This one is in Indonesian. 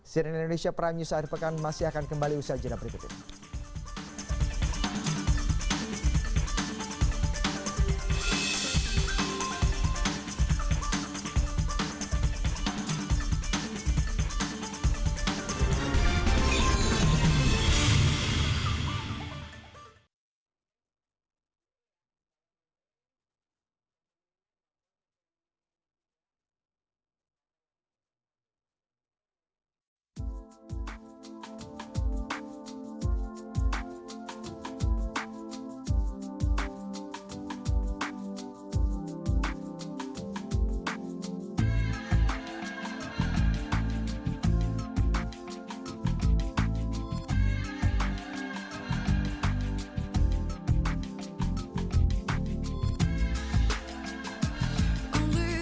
cnn indonesia prime news hari pekan masih akan kembali usia jadwal berikut ini